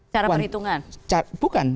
cara perhitungan bukan